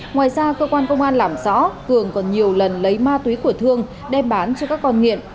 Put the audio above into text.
ngoài ra cơ quan công an làm rõ cường còn nhiều lần lấy ma túy của thương đem bán cho các con nghiện